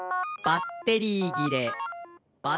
バッテリーぎれ」。